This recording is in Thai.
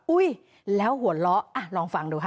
แล้วหัวเราะลองฟังดูค่ะ